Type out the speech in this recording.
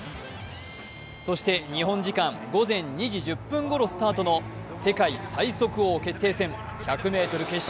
そして日本時間午前２時１０分ごろスタートの世界最速王決定戦１００ｍ決勝。